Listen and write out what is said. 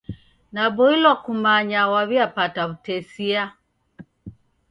Naboilwa kumanya waw'iapata w'utesia.